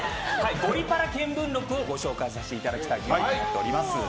「ゴリパラ見聞録」をご紹介させていただきたいと思います。